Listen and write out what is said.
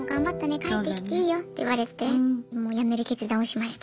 帰ってきていいよ」って言われてやめる決断をしました。